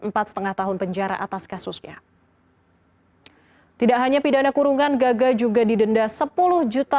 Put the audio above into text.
empat setengah tahun penjara atas kasusnya tidak hanya pidana kurungan gaga juga didenda sepuluh juta